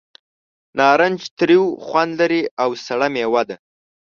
نارنج تریو خوند لري او سړه مېوه ده.